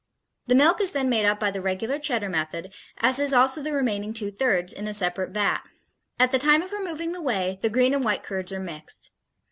The milk is then made up by the regular Cheddar method, as is also the remaining two thirds, in a separate vat. At the time of removing the whey the green and white curds are mixed.